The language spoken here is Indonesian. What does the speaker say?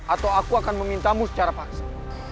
atau aku akan memintamu secara paksa